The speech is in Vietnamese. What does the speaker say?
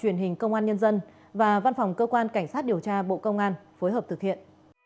truyền hình công an nhân dân và văn phòng cơ quan cảnh sát điều tra bộ công an phối hợp thực hiện